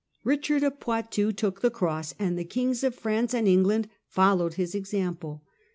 Eichard of Poitou took the cross, and the Kings of France and England followed his example.